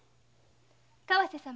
川瀬様。